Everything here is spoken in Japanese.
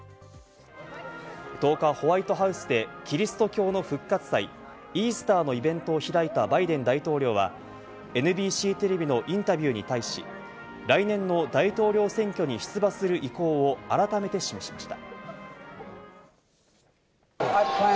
１０日、ホワイトハウスでキリスト教の復活祭・イースターのイベントを開いたバイデン大統領はＮＢＣテレビのインタビューに対し、来年の大統領選挙に出馬する意向を改めて示しました。